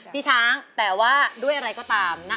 พี่ช้างแต่ว่าด้วยอะไรก็ตาม